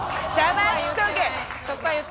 黙っとけ！